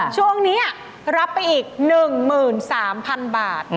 ช่วงนี้รับไปอีก๑๓๐๐๐บาท